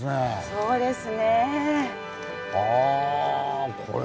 そうです。